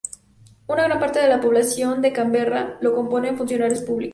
Una gran parte de la población de Canberra la componen funcionarios públicos.